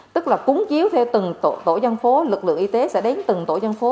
tức là cúng chiếu theo từng tổ dân phố lực lượng y tế sẽ đến từng tổ dân phố